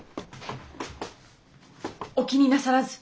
お気になさらず。